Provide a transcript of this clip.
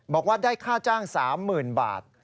บอกว่าได้ค่าจ้าง๓๐๐๐บาท